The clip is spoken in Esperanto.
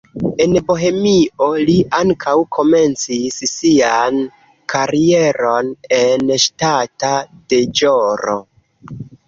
En Bohemio li ankaŭ komencis sian karieron en ŝtata deĵoro.